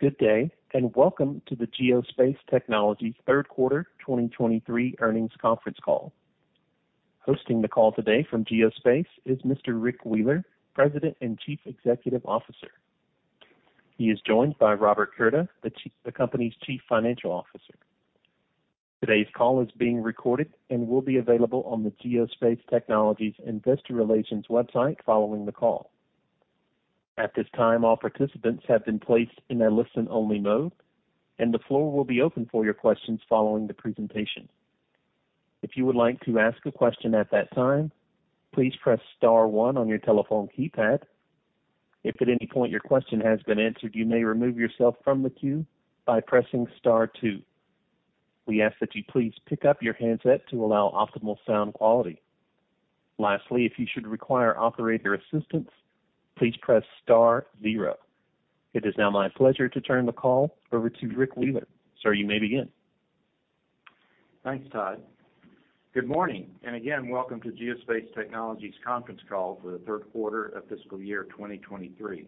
Good day, and welcome to the Geospace Technologies third quarter 2023 earnings conference call. Hosting the call today from Geospace is Mr. Rick Wheeler, President and Chief Executive Officer. He is joined by Robert Curda, the company's Chief Financial Officer. Today's call is being recorded and will be available on the Geospace Technologies investor relations website following the call. At this time, all participants have been placed in a listen-only mode, and the floor will be open for your questions following the presentation. If you would like to ask a question at that time, please press star one on your telephone keypad. If at any point your question has been answered, you may remove yourself from the queue by pressing star two. We ask that you please pick up your handset to allow optimal sound quality. Lastly, if you should require operator assistance, please press star zero. It is now my pleasure to turn the call over to Rick Wheeler. Sir, you may begin. Thanks, Todd. Good morning, again, welcome to Geospace Technologies conference call for the third quarter of fiscal year 2023.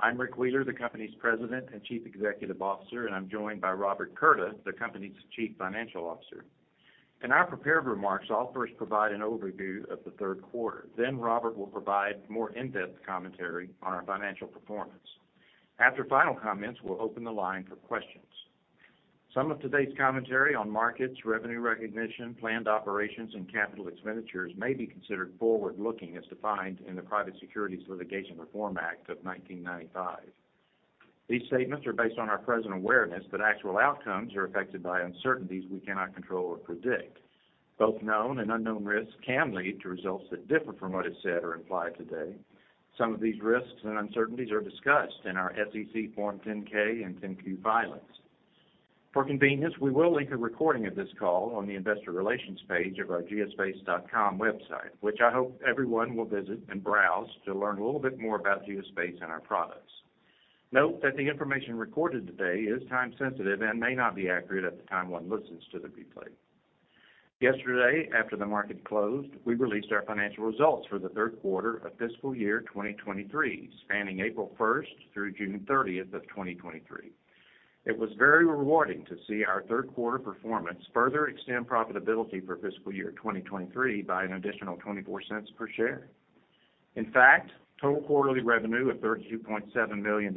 I'm Rick Wheeler, the company's President and Chief Executive Officer, I'm joined by Robert Curda, the company's Chief Financial Officer. In our prepared remarks, I'll first provide an overview of the third quarter, Robert will provide more in-depth commentary on our financial performance. After final comments, we'll open the line for questions. Some of today's commentary on markets, revenue recognition, planned operations, and capital expenditures may be considered forward-looking, as defined in the Private Securities Litigation Reform Act of 1995. These statements are based on our present awareness, actual outcomes are affected by uncertainties we cannot control or predict. Both known and unknown risks can lead to results that differ from what is said or implied today. Some of these risks and uncertainties are discussed in our SEC Form 10-K and 10-Q filings. For convenience, we will link a recording of this call on the investor relations page of our geospace.com website, which I hope everyone will visit and browse to learn a little bit more about Geospace and our products. Note that the information recorded today is time-sensitive and may not be accurate at the time one listens to the replay. Yesterday, after the market closed, we released our financial results for the third quarter of fiscal year 2023, spanning April 1st through June 30th of 2023. It was very rewarding to see our third quarter performance further extend profitability for fiscal year 2023 by an additional $0.24 per share. In fact, total quarterly revenue of $32.7 million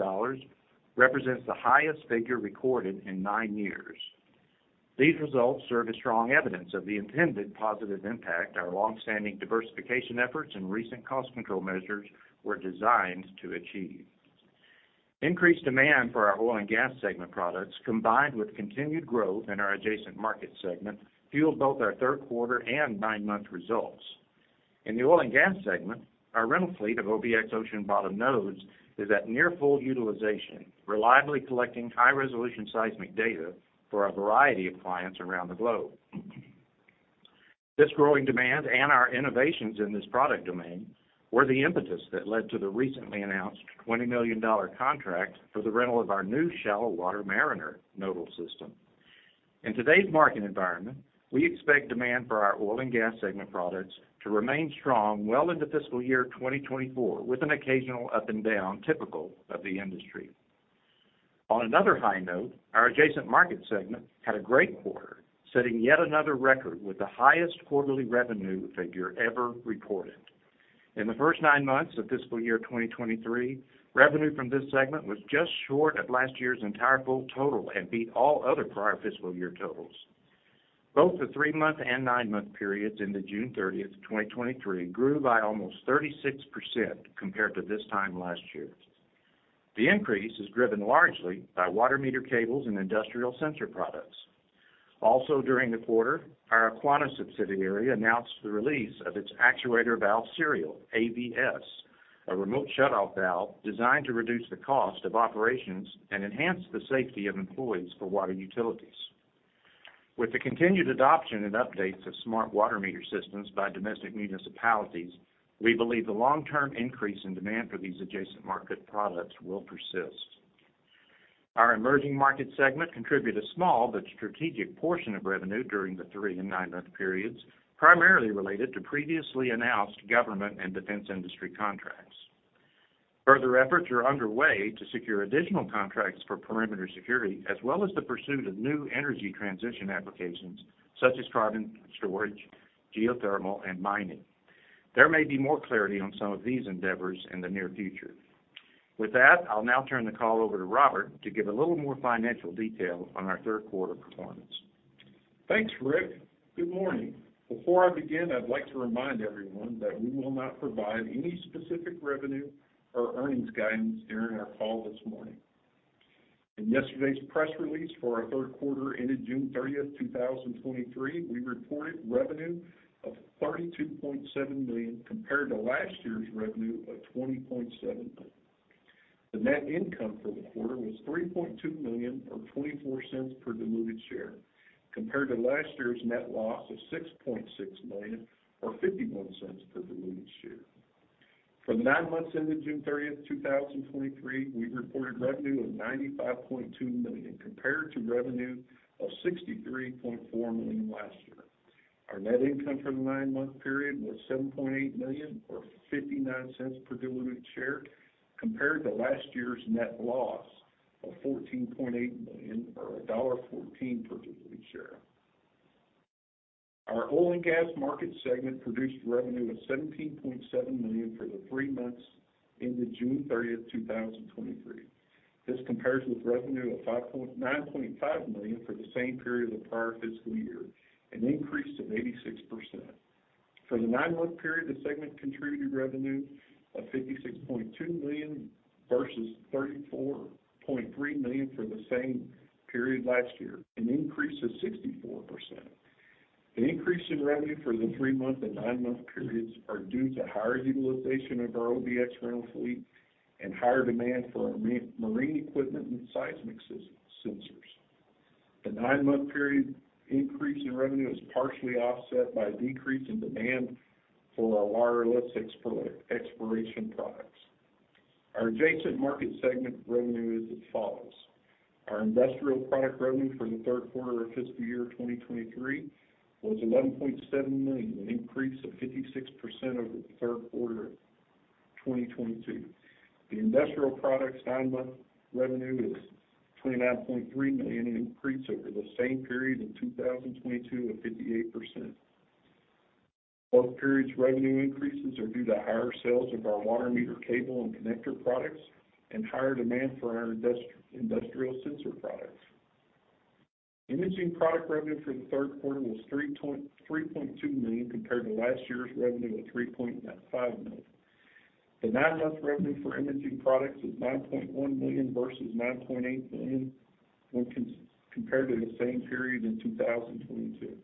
represents the highest figure recorded in nine years. These results serve as strong evidence of the intended positive impact our long-standing diversification efforts and recent cost control measures were designed to achieve. Increased demand for our oil and gas segment products, combined with continued growth in our adjacent market segment, fueled both our third quarter and nine-month results. In the oil and gas segment, our rental fleet of OBX ocean bottom nodes is at near full utilization, reliably collecting high-resolution seismic data for a variety of clients around the globe. This growing demand and our innovations in this product domain were the impetus that led to the recently announced $20 million contract for the rental of our new Shallow Water Mariner nodal system. In today's market environment, we expect demand for our oil and gas segment products to remain strong well into fiscal year 2024, with an occasional up and down, typical of the industry. On another high note, our adjacent market segment had a great quarter, setting yet another record with the highest quarterly revenue figure ever recorded. In the first nine months of fiscal year 2023, revenue from this segment was just short of last year's entire full total and beat all other prior fiscal year totals. Both the three-month and nine-month periods into June 30, 2023, grew by almost 36% compared to this time last year. The increase is driven largely by water meter cables and industrial sensor products. Also, during the quarter, our Aquana subsidiary announced the release of its Actuator Valve Serial, AVS, a remote shutoff valve designed to reduce the cost of operations and enhance the safety of employees for water utilities. With the continued adoption and updates of smart water meter systems by domestic municipalities, we believe the long-term increase in demand for these adjacent market products will persist. Our emerging market segment contributed a small but strategic portion of revenue during the three and nine-month periods, primarily related to previously announced government and defense industry contracts. Further efforts are underway to secure additional contracts for perimeter security, as well as the pursuit of new energy transition applications such as carbon storage, geothermal, and mining. There may be more clarity on some of these endeavors in the near future. With that, I'll now turn the call over to Robert to give a little more financial detail on our third quarter performance. Thanks, Rick. Good morning. Before I begin, I'd like to remind everyone that we will not provide any specific revenue or earnings guidance during our call this morning. In yesterday's press release for our third quarter, ended June 30, 2023, we reported revenue of $32.7 million, compared to last year's revenue of $20.7 million. The net income for the quarter was $3.2 million, or $0.24 per diluted share, compared to last year's net loss of $6.6 million, or $0.51 per diluted share. For the 9 months ended June 30, 2023, we reported revenue of $95.2 million, compared to revenue of $63.4 million last year. Our net income for the nine-month period was $7.8 million, or $0.59 per diluted share, compared to last year's net loss of $14.8 million or $1.14 per diluted share. Our oil and gas market segment produced revenue of $17.7 million for the 3 months ended June 30, 2023. This compares with revenue of $9.5 million for the same period of the prior fiscal year, an increase of 86%. For the nine-month period, the segment contributed revenue of $56.2 million versus $34.3 million for the same period last year, an increase of 64%. The increase in revenue for the three-month and nine-month periods are due to higher utilization of our OBX rental fleet and higher demand for our marine equipment and seismic sensors. The nine-month period increase in revenue is partially offset by a decrease in demand for our wireless exploration products. Our adjacent market segment revenue is as follows: Our industrial product revenue for the third quarter of fiscal year 2023 was $11.7 million, an increase of 56% over the third quarter of 2022. The industrial products' nine-month revenue is $29.3 million, an increase over the same period in 2022 of 58%. Both periods' revenue increases are due to higher sales of our water meter cable and connector products and higher demand for our industrial sensor products. Imaging product revenue for the third quarter was $3.2 million, compared to last year's revenue of $3.5 million. The nine-month revenue for imaging products was $9.1 million versus $9.8 million compared to the same period in 2022.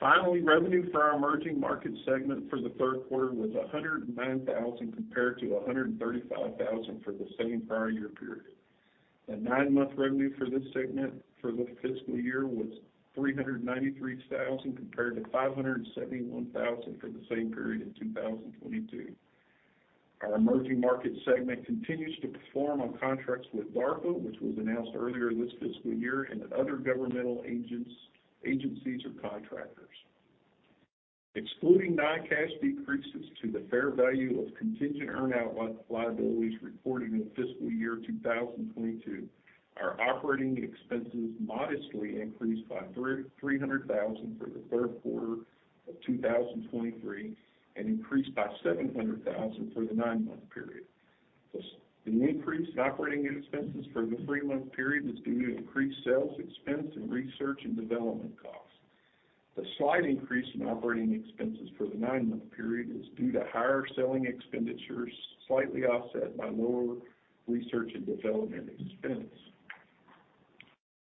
Finally, revenue for our emerging market segment for the third quarter was $109,000, compared to $135,000 for the same prior year period. The nine-month revenue for this segment for the fiscal year was $393,000, compared to $571,000 for the same period in 2022. Our emerging market segment continues to perform on contracts with DARPA, which was announced earlier this fiscal year, and other governmental agencies, or contractors. Excluding non-cash decreases to the fair value of contingent earn-out liabilities reported in fiscal year 2022, our operating expenses modestly increased by $300,000 for the third quarter of 2023, and increased by $700,000 for the nine-month period. The increase in operating expenses for the three-month period is due to increased sales expense and research and development costs. The slight increase in operating expenses for the nine-month period is due to higher selling expenditures, slightly offset by lower research and development expense.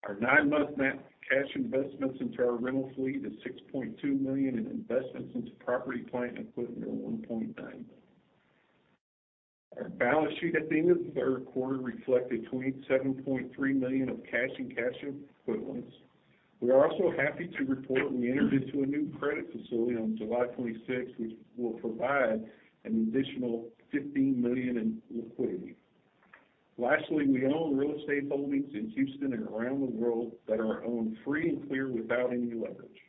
Our nine-month net cash investments into our rental fleet is $6.2 million, and investments into property, plant, and equipment are $1.9 million. Our balance sheet at the end of the third quarter reflected $27.3 million of cash and cash equivalents. We are also happy to report we entered into a new credit facility on July twenty-six, which will provide an additional $15 million in liquidity. Lastly, we own real estate holdings in Houston and around the world that are owned free and clear without any leverage.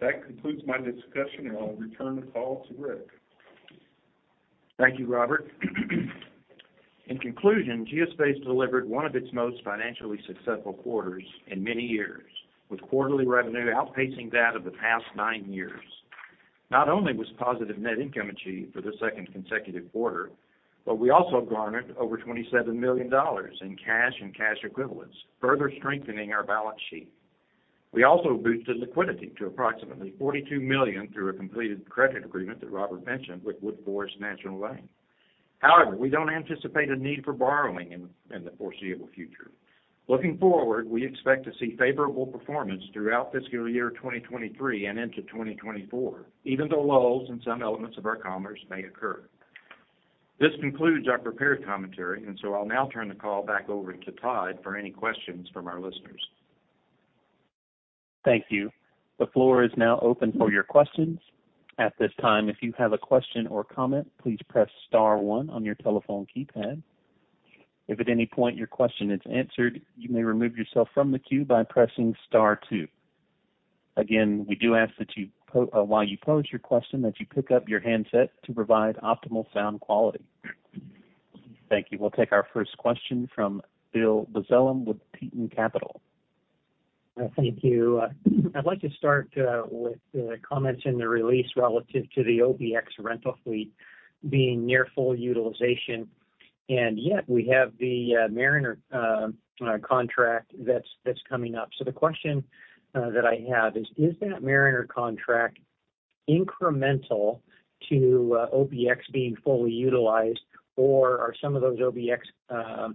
That concludes my discussion, and I'll return the call to Rick. Thank you, Robert. In conclusion, Geospace delivered one of its most financially successful quarters in many years, with quarterly revenue outpacing that of the past nine years. Not only was positive net income achieved for the second consecutive quarter, but we also garnered over $27 million in cash and cash equivalents, further strengthening our balance sheet. We also boosted liquidity to approximately $42 million through a completed credit agreement that Robert mentioned with Woodforest National Bank. However, we don't anticipate a need for borrowing in the foreseeable future. Looking forward, we expect to see favorable performance throughout fiscal year 2023 and into 2024, even though lulls in some elements of our commerce may occur. This concludes our prepared commentary, and so I'll now turn the call back over to Todd for any questions from our listeners. Thank you. The floor is now open for your questions. At this time, if you have a question or comment, please press star one on your telephone keypad. If at any point your question is answered, you may remove yourself from the queue by pressing star two. Again, we do ask that you po- while you pose your question, that you pick up your handset to provide optimal sound quality. Thank you. We'll take our first question from Bill Donohue with Teton Capital. Thank you. I'd like to start with the comments in the release relative to the OBX rental fleet being near full utilization, and yet we have the Mariner contract that's coming up. The question that I have is: Is that Mariner contract incremental to OBX being fully utilized, or are some of those OBX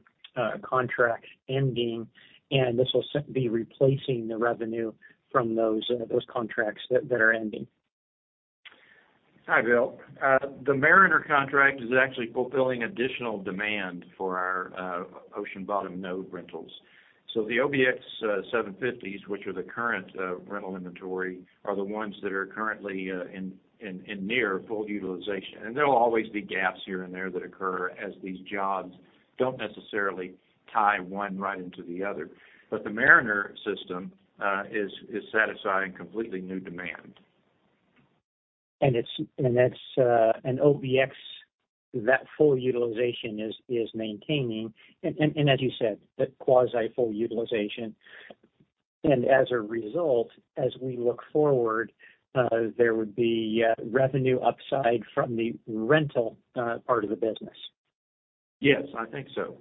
contracts ending, and this will be replacing the revenue from those contracts that are ending? Hi, Bill. The Mariner contract is actually fulfilling additional demand for our Ocean Bottom Node rentals. The OBX-750s, which are the current rental inventory, are the ones that are currently in near full utilization. There will always be gaps here and there that occur, as these jobs don't necessarily tie one right into the other. The Mariner system is satisfying completely new demand.... And it's, and that's, and OBX, that full utilization is, is maintaining. And, and, and as you said, that quasi full utilization. As a result, as we look forward, there would be revenue upside from the rental part of the business? Yes, I think so.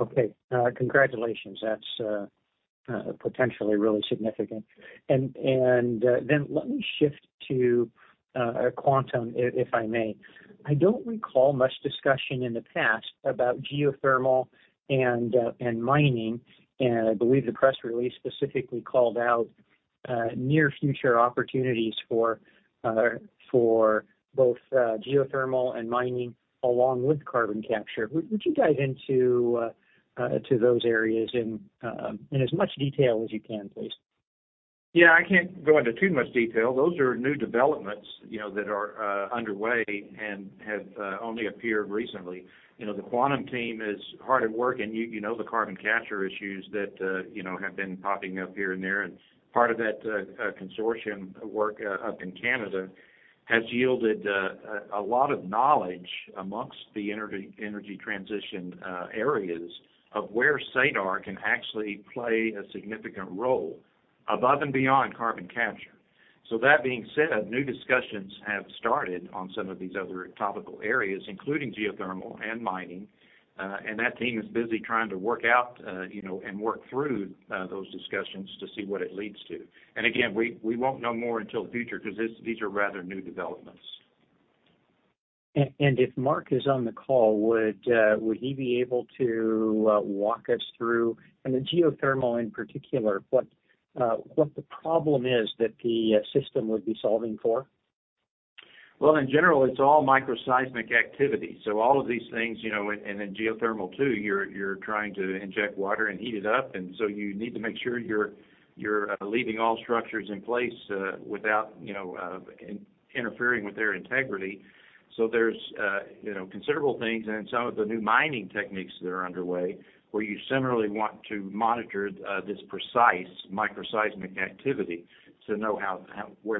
Okay, congratulations. That's potentially really significant. Let me shift to Quantum, if I may. I don't recall much discussion in the past about geothermal and mining, and I believe the press release specifically called out near future opportunities for both geothermal and mining, along with carbon capture. Would you dive into to those areas in as much detail as you can, please? Yeah, I can't go into too much detail. Those are new developments, you know, that are underway and have only appeared recently. You know, the Quantum team is hard at work, and you, you know the carbon capture issues that, you know, have been popping up here and there. Part of that consortium work up in Canada has yielded a lot of knowledge amongst the energy, energy transition areas of where SADAR can actually play a significant role above and beyond carbon capture. That being said, new discussions have started on some of these other topical areas, including geothermal and mining, and that team is busy trying to work out, you know, and work through those discussions to see what it leads to. Again, we, we won't know more until the future because these, these are rather new developments. If Mark is on the call, would he be able to walk us through, on the geothermal in particular, what the problem is that the system would be solving for? Well, in general, it's all microseismic activity. All of these things, you know, and, and in geothermal, too, you're, you're trying to inject water and heat it up, and so you need to make sure you're, you're leaving all structures in place without, you know, interfering with their integrity. There's, you know, considerable things and some of the new mining techniques that are underway, where you similarly want to monitor this precise microseismic activity to know how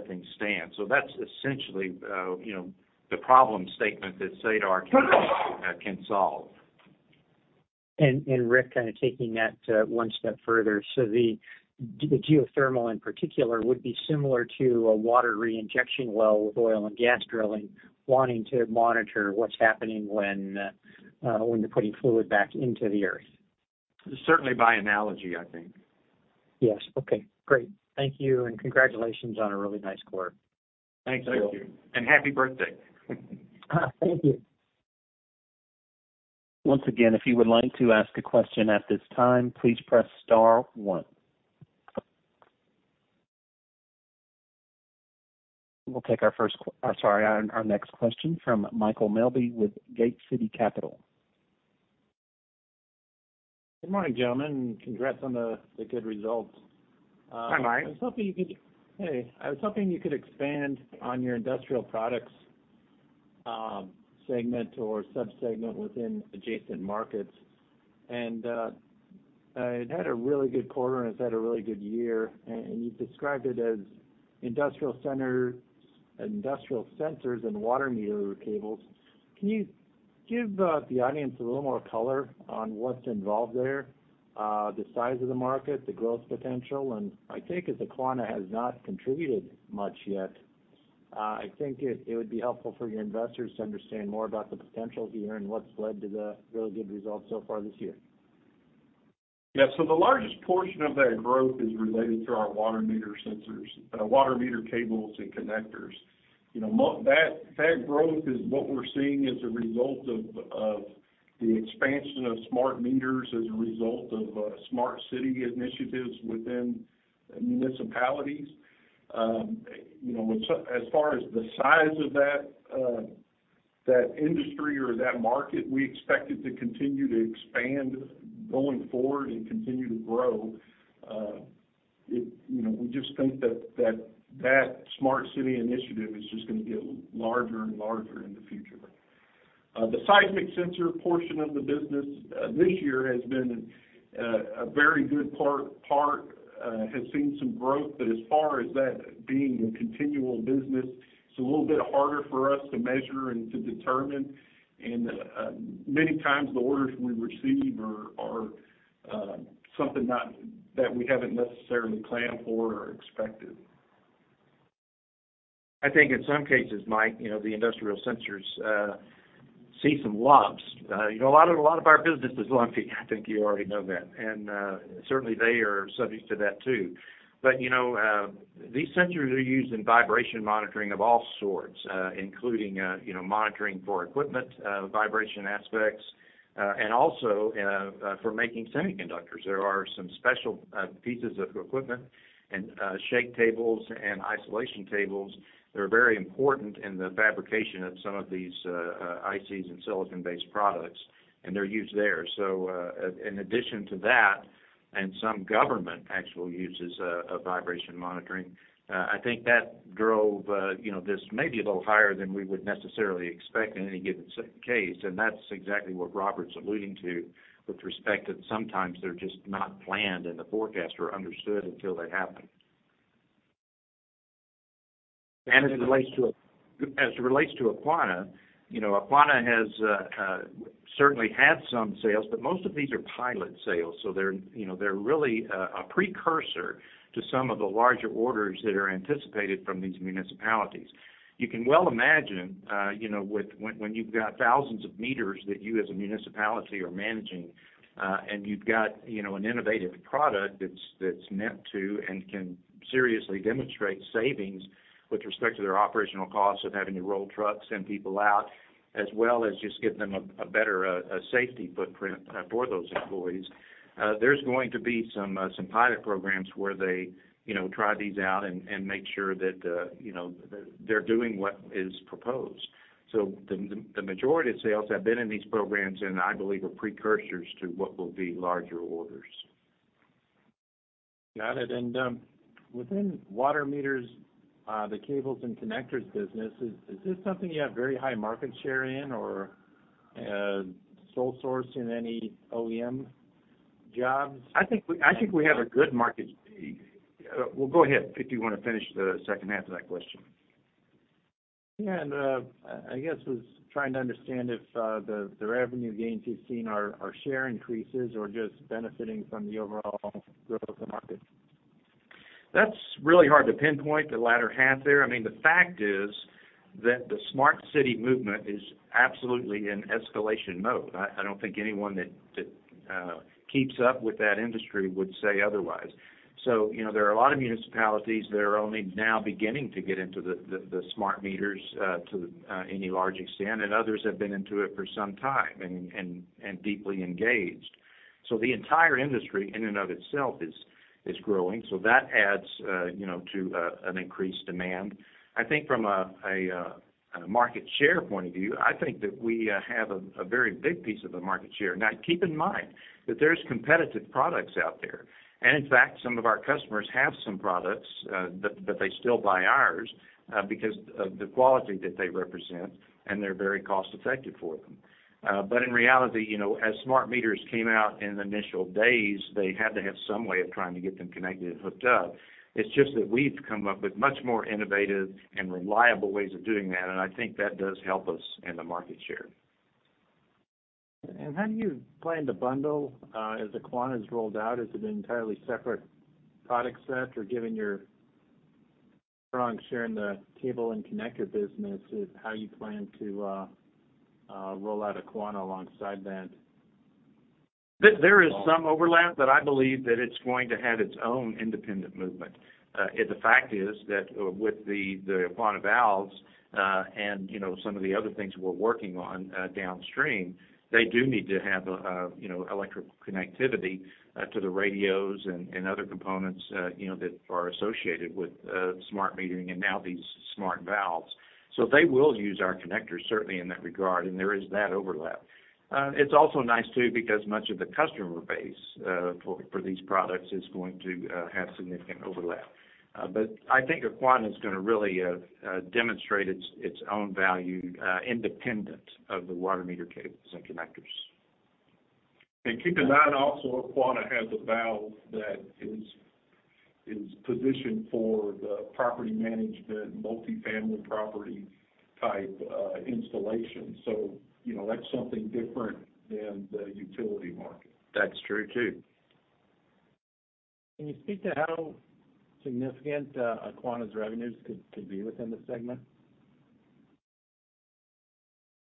things stand. That's essentially, you know, the problem statement that SADAR can solve. Rick, kind of taking that one step further. The, the geothermal in particular, would be similar to a water reinjection well with oil and gas drilling, wanting to monitor what's happening when, when you're putting fluid back into the earth. Certainly by analogy, I think. Yes. Okay, great. Thank you, and congratulations on a really nice quarter. Thanks, Bill. Thank you. Happy birthday. Thank you. Once again, if you would like to ask a question at this time, please press star one. We'll take our first sorry, our, our next question from Michael Melby with Gate City Capital. Good morning, gentlemen, and congrats on the, the good results. Hi, Mike. Hey, I was hoping you could expand on your industrial products segment or subsegment within adjacent markets. It had a really good quarter, and it's had a really good year, and you've described it as industrial center, industrial sensors and water meter cables. Can you give the audience a little more color on what's involved there, the size of the market, the growth potential? My take is the Quantum has not contributed much yet. I think it would be helpful for your investors to understand more about the potential here and what's led to the really good results so far this year. Yeah. The largest portion of that growth is related to our water meter sensors, water meter cables and connectors. You know, that, that growth is what we're seeing as a result of, of the expansion of smart meters as a result of, smart city initiatives within municipalities. You know, as far as the size of that industry or that market, we expect it to continue to expand going forward and continue to grow. It, you know, we just think that, that, that smart city initiative is just gonna get larger and larger in the future. The seismic sensor portion of the business, this year has been a very good part, part, has seen some growth, but as far as that being a continual business, it's a little bit harder for us to measure and to determine. Many times the orders we receive are, are something not, that we haven't necessarily planned for or expected. I think in some cases, Mike, you know, the industrial sensors, see some lobs. You know, a lot of, a lot of our business is lumpy. I think you already know that. Certainly, they are subject to that, too. You know, these sensors are used in vibration monitoring of all sorts, including, you know, monitoring for equipment, vibration aspects, and also, for making semiconductors. There are some special pieces of equipment and shake tables and isolation tables that are very important in the fabrication of some of these, ICs and silicon-based products, and they're used there. In addition to that, and some government actually uses a vibration monitoring, I think that drove, you know, this maybe a little higher than we would necessarily expect in any given case. That's exactly what Robert's alluding to with respect that sometimes they're just not planned in the forecast or understood until they happen. As it relates to, as it relates to Aquana, you know, Aquana has certainly had some sales, but most of these are pilot sales, so they're, you know, they're really a precursor to some of the larger orders that are anticipated from these municipalities. You can well imagine, you know, when, when you've got thousands of meters that you as a municipality are managing, and you've got, you know, an innovative product that's, that's meant to and can seriously demonstrate savings with respect to their operational costs of having to roll trucks, send people out, as well as just give them a, a better safety footprint for those employees, there's going to be some pilot programs where they, you know, try these out and, and make sure that, you know, they're doing what is proposed. The majority of sales have been in these programs, and I believe are precursors to what will be larger orders. Got it. Within water meters, the cables and connectors business, is, is this something you have very high market share in, or, sole source in any OEM jobs? I think we have a good market... Well, go ahead, if you wanna finish the second half of that question. Yeah, I, I guess, was trying to understand if the revenue gains you've seen are share increases or just benefiting from the overall growth of the market? That's really hard to pinpoint, the latter half there. I mean, the fact is, that the smart city movement is absolutely in escalation mode. I, I don't think anyone that, that keeps up with that industry would say otherwise. You know, there are a lot of municipalities that are only now beginning to get into the smart meters to any large extent, and others have been into it for some time and deeply engaged. The entire industry in and of itself is growing, that adds, you know, to an increased demand. I think from a market share point of view, I think that we have a very big piece of the market share. Keep in mind that there's competitive products out there, and in fact, some of our customers have some products, but they still buy ours because of the quality that they represent, and they're very cost effective for them. In reality, you know, as smart meters came out in the initial days, they had to have some way of trying to get them connected and hooked up. It's just that we've come up with much more innovative and reliable ways of doing that, and I think that does help us in the market share. How do you plan to bundle, as Aquana is rolled out? Is it an entirely separate product set? Given your strong share in the cable and connector business, is how you plan to roll out Aquana alongside that? There, there is some overlap, but I believe that it's going to have its own independent movement. The fact is that, with the Aquana valves, and, you know, some of the other things we're working on, downstream, they do need to have, you know, electrical connectivity, to the radios and, and other components, you know, that are associated with smart metering and now these smart valves. They will use our connectors, certainly in that regard, and there is that overlap. It's also nice, too, because much of the customer base, for, for these products is going to, have significant overlap. But I think Aquana is gonna really demonstrate its, its own value, independent of the water meter cables and connectors. Keep in mind also, Aquana has a valve that is, is positioned for the property management, multifamily property type, installation. You know, that's something different than the utility market. That's true, too. Can you speak to how significant, Aquana's revenues could, could be within the segment?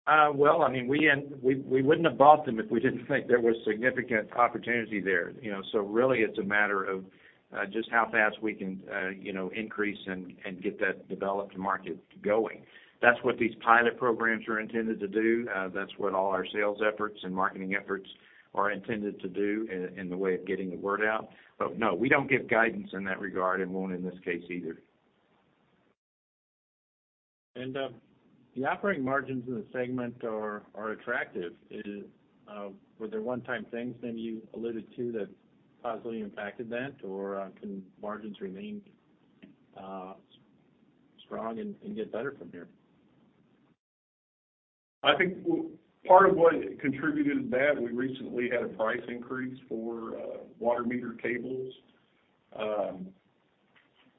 Well, I mean, we, we wouldn't have bought them if we didn't think there was significant opportunity there. You know, really, it's a matter of just how fast we can, you know, increase and get that developed market going. That's what these pilot programs are intended to do. That's what all our sales efforts and marketing efforts are intended to do in the way of getting the word out. No, we don't give guidance in that regard and won't in this case either. The operating margins in the segment are, are attractive. Were there one-time things maybe you alluded to, that positively impacted that, or, can margins remain strong and, and get better from there? I think part of what contributed to that, we recently had a price increase for water meter cables.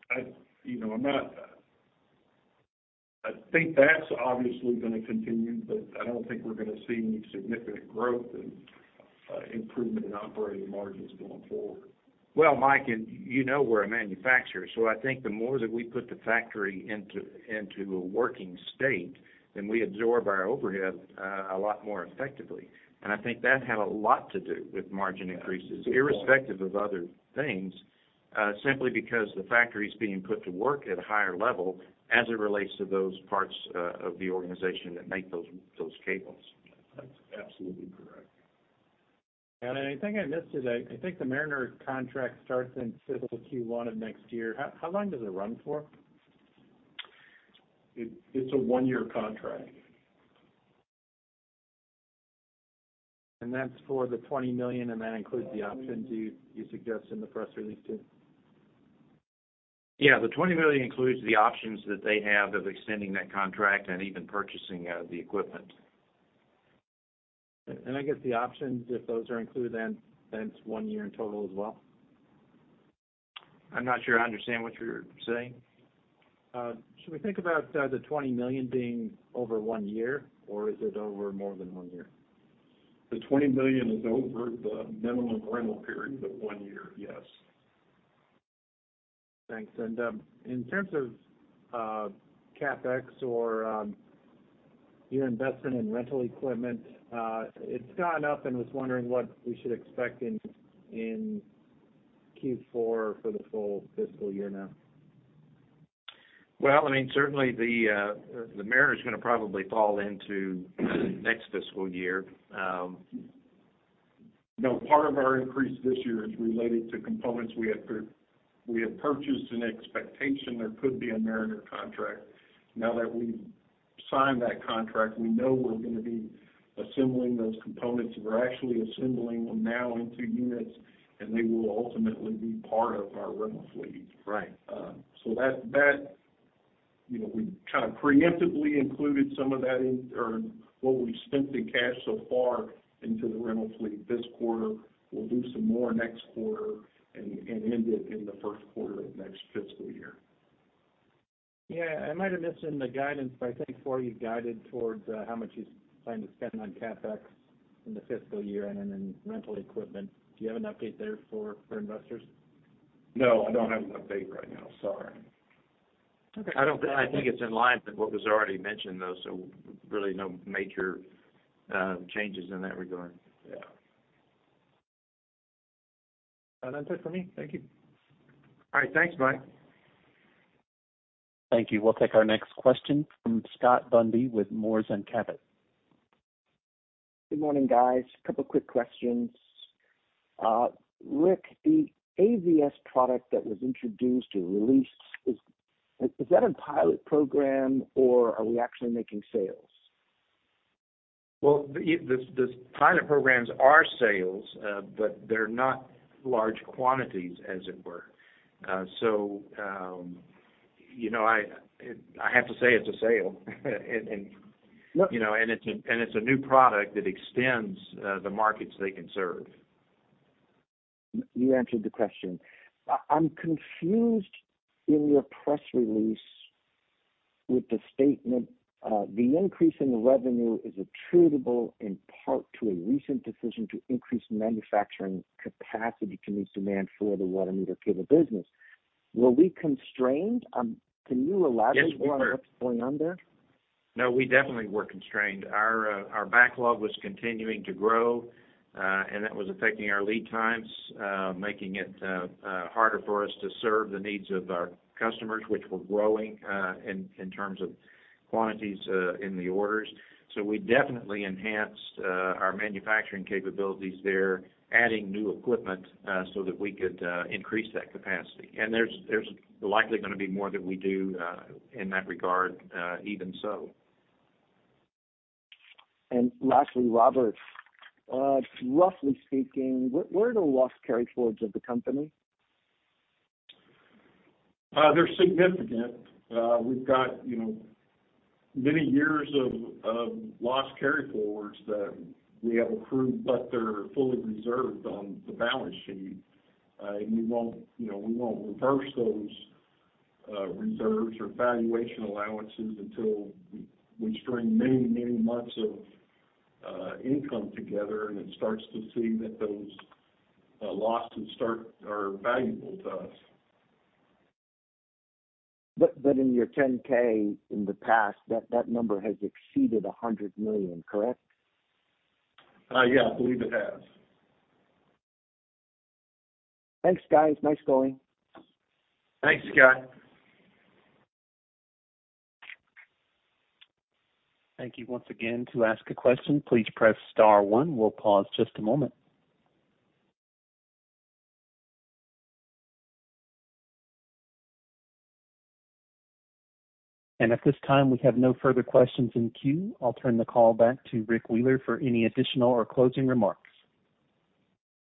I, you know, I think that's obviously gonna continue, but I don't think we're gonna see any significant growth in improvement in operating margins going forward. Mike, you know we're a manufacturer, so I think the more that we put the factory into, into a working state, then we absorb our overhead, a lot more effectively. I think that had a lot to do with margin increases. Yeah. irrespective of other things, simply because the factory's being put to work at a higher level as it relates to those parts of the organization that make those, those cables. That's absolutely correct. I think I missed today, I think the Mariner contract starts in fiscal Q1 of next year. How long does it run for? It, it's a one-year contract. That's for the $20 million, and that includes the options you suggest in the press release, too? Yeah, the $20 million includes the options that they have of extending that contract and even purchasing, the equipment. And I guess the options, if those are included, then, then it's one year in total as well? I'm not sure I understand what you're saying. Should we think about the $20 million being over one year, or is it over more than one year? The $20 million is over the minimum rental period of one year, yes. Thanks. In terms of CapEx or your investment in rental equipment, it's gone up, and I was wondering what we should expect in Q4 for the full fiscal year now? Well, I mean, certainly the Mariner is gonna probably fall into next fiscal year. No, part of our increase this year is related to components we had purchased in expectation there could be a Mariner contract. Now that we've signed that contract, we know we're gonna be assembling those components. We're actually assembling them now into units, and they will ultimately be part of our rental fleet. Right. That, that, you know, we kind of preemptively included some of that in, or what we've spent in cash so far into the rental fleet this quarter. We'll do some more next quarter and, and end it in the first quarter of next fiscal year. Yeah, I might have missed it in the guidance, but I think before you guided towards how much you plan to spend on CapEx in the fiscal year and then in rental equipment. Do you have an update there for, for investors? No, I don't have an update right now. Sorry. Okay. I think it's in line with what was already mentioned, though, so really no major changes in that regard. Yeah. That's it for me. Thank you. All right, thanks, Mike. Thank you. We'll take our next question from Scott Bundy with Moors & Cabot. Good morning, guys. A couple quick questions. Rick, the AVS product that was introduced or released, is that a pilot program, or are we actually making sales? The, the, the pilot programs are sales, but they're not large quantities, as it were. So, you know, I, it, I have to say it's a sale. Look- You know, and it's a, and it's a new product that extends the markets they can serve. You answered the question. I'm confused in your press release with the statement, "The increase in the revenue is attributable in part to a recent decision to increase manufacturing capacity to meet demand for the water meter business." Were we constrained? Can you elaborate- Yes, we were. on what's going on there? No, we definitely were constrained. Our, our backlog was continuing to grow, and that was affecting our lead times, making it, harder for us to serve the needs of our customers, which were growing, in, in terms of quantities, in the orders. We definitely enhanced, our manufacturing capabilities there, adding new equipment, so that we could, increase that capacity. There's, there's likely gonna be more that we do, in that regard, even so. Lastly, Robert, roughly speaking, where, where are the loss carryforwards of the company? They're significant. We've got, you know, many years of loss carryforwards that we have accrued, but they're fully reserved on the balance sheet. We won't, you know, we won't reverse those reserves or valuation allowances until we string many, many months of income together, and it starts to see that those losses are valuable to us. In your 10-K in the past, that number has exceeded $100 million, correct? Yeah, I believe it has. Thanks, guys. Nice going. Thanks, Scott. Thank you once again. To ask a question, please press star one. We'll pause just a moment. At this time, we have no further questions in queue. I'll turn the call back to Rick Wheeler for any additional or closing remarks.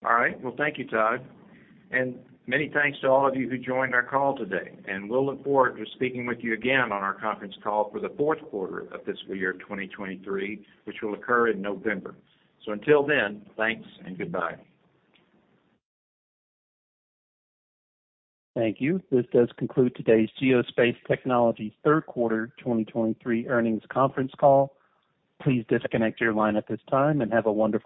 All right. Well, thank you, Todd. Many thanks to all of you who joined our call today. We'll look forward to speaking with you again on our conference call for the fourth quarter of fiscal year 2023, which will occur in November. Until then, thanks and goodbye. Thank you. This does conclude today's Geospace Technologies third quarter 2023 earnings conference call. Please disconnect your line at this time, and have a wonderful day.